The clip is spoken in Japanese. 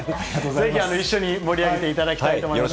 ぜひ一緒に盛り上げていただきたいと思います。